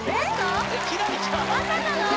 ・まさかの？